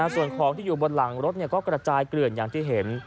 ส่วนของที่อยู่บนหลังรถก็กระจายเกลื่อนอย่างที่เห็น